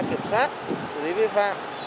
kiểm tra kiểm sát xử lý vi phạm